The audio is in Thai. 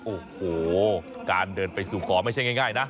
โอ้โหการเดินไปสู่ขอไม่ใช่ง่ายนะ